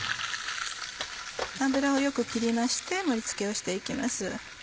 油をよく切りまして盛り付けをして行きます。